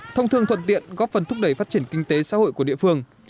thông thường thuận tiện góp phần thúc đẩy phát triển kinh tế xã hội của địa phương